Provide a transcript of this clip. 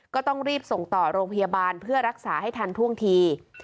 ก็ต้องรีบส่งต่อโรงพยาบาลเพื่อรักษาให้ทันท่วงที